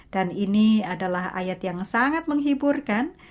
dan ini adalah ayat yang sangat menghiburkan